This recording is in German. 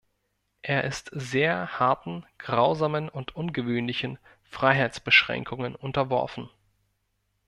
Er ist sehr harten, grausamen und ungewöhnlichen Freiheitsbeschränkungen unterworfen.